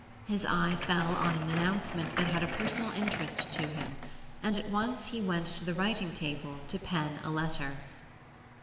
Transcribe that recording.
His eye fell on an announcement that had a personal interest to him, and at once he went to the writing table to pen a letter.